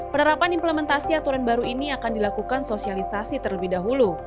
penerapan implementasi aturan baru ini akan dilakukan sosialisasi terlebih dahulu